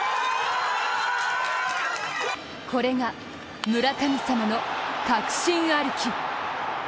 これが村神様の確信歩き。